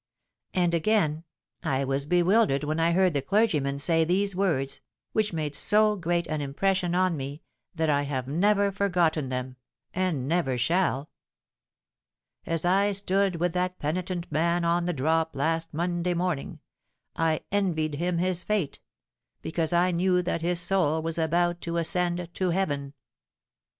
And, again, I was bewildered when I heard the clergyman say these words, which made so great an impression on me that I have never forgotten them, and never shall:—'As I stood with that penitent man on the drop, last Monday morning, I ENVIED HIM HIS FATE, because I knew that his soul was about to ascend to heaven!'